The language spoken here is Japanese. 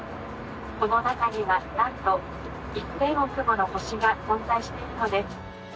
この中にはなんと一千億もの星が存在しているのです。